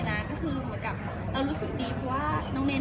ท่านก็ฟังท่านก็รู้สึกดีท่านก็ฟังเลยค่ะ